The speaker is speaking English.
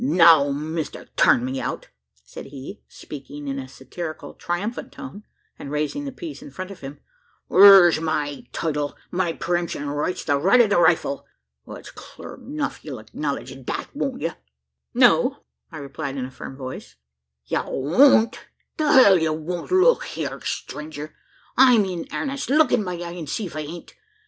"Now, Mister Turn me out?" said he, speaking in a satirical triumphant tone, and raising the piece in front of him, "thur's my title my pre emption right's the right o' the rifle. It's clur enuf: ye'll acknowledge that, won't ye?" "No," I replied in a firm voice. "Ye won't? The hell, ye won't? Look hyur, stranger! I'm in airnest. Look in my eye, an' see if I ain't!